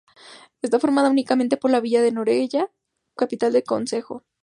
Está formada únicamente por la villa de Noreña, capital del concejo.